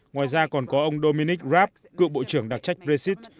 ngoài ra còn có ông dominic raab cựu bộ trưởng đặc trách brexit